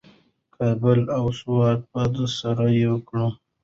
کابل او سوات به سره یو کړو.